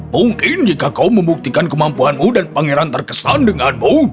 mungkin jika kau membuktikan kemampuanmu dan pangeran terkesan denganmu